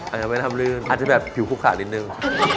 อาจจะไม่รับลื่นอาจจะแบบผิวคุกขานิดนึง